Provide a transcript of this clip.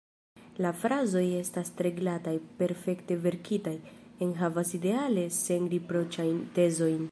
La frazoj estas tre glataj, perfekte verkitaj, enhavas ideale senriproĉajn tezojn.